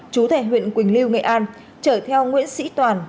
chú thẻ huyện quỳnh lưu nghệ an trở theo nguyễn sĩ toàn